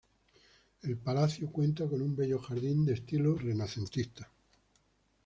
El palacio cuenta con un bello Jardín de estilo renacentista.